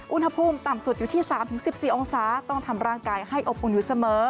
อุณหภูมิต่ำสุดอยู่ที่๓๑๔องศาต้องทำร่างกายให้อบอุ่นอยู่เสมอ